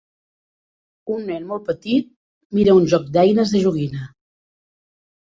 Un nen molt petit mira un joc d'eines de joguina.